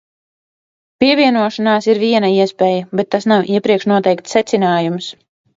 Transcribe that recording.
Pievienošanās ir viena iespēja, bet tas nav iepriekš noteikts secinājums.